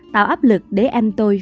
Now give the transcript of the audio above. tạo áp lực để em tôi